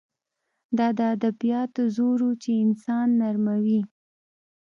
دا د ادبیاتو زور و چې انسان نرموي